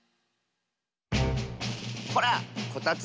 ほらこたつだ！